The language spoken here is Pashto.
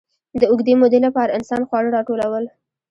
د اوږدې مودې لپاره انسان خواړه راټولول.